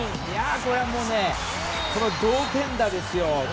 これはもう同点弾ですよ。